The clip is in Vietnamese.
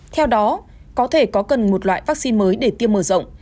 theo đó có thể có cần một loại vaccine mới để tiêm mở rộng